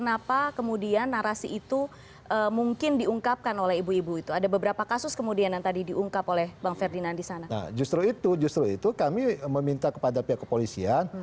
apakah terjadi yang terjadi di perusahaan